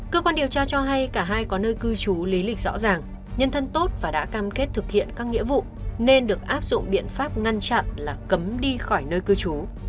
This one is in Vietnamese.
cơ quan điều tra cho hay cả hai có nơi cư trú lý lịch rõ ràng nhân thân tốt và đã cam kết thực hiện các nghĩa vụ nên được áp dụng biện pháp ngăn chặn là cấm đi khỏi nơi cư trú